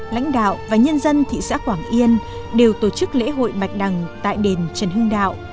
lãnh đạo và nhân dân thị xã quảng yên đều tổ chức lễ hội bạch đằng tại đền trần hưng đạo